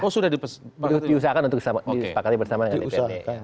oh sudah diusahakan untuk disepakati bersama dengan mpr